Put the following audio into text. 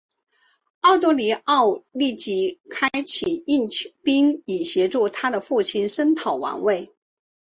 奥多尼奥立即开始兴兵以协助他的父亲声讨王位。